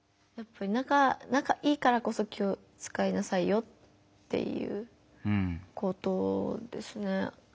仲いいからこそ気を使いなさいよっていうことですね。